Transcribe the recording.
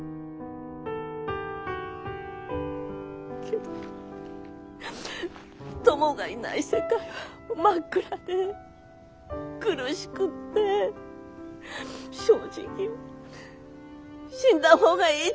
けどトモがいない世界は真っ暗で苦しくって正直死んだ方がいいと思った。